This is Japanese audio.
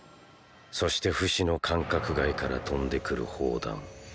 そしてフシの感覚外から飛んでくる砲弾。